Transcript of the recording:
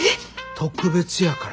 特別やから。